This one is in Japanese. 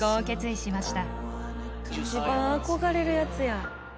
一番憧れるやつや。